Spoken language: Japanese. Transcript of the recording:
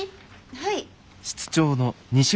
はい。